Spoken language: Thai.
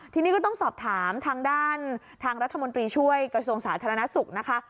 ทีนี้ก็ต้องสอบถามทางด้านทางรัฐมนตรีช่วยกระทรวงสาธารณสุขนะคะ